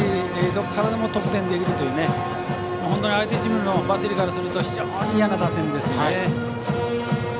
どこからでも得点できるという本当に相手チームのバッテリーからすると非常に、いやな打線ですね。